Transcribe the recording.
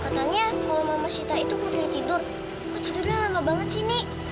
katanya kalau mama syita itu putri tidur kok tidurnya lama banget sih nek